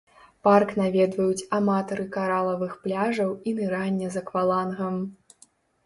Парк наведваюць аматары каралавых пляжаў і нырання з аквалангам.